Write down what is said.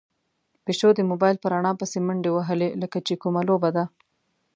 پيشو د موبايل په رڼا پسې منډې وهلې، لکه چې کومه لوبه ده.